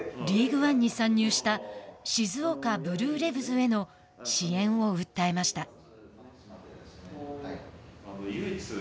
リーグワンに参入した静岡ブルーレヴズへの支援を訴えました。